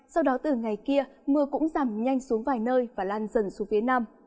sau đó từ ngày kia mưa cũng giảm nhanh xuống vài nơi và lan dần xuống phía nam